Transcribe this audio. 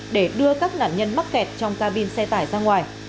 để đưa các nạn nhân mắc kẹt trong ca bin xe tải ra ngoài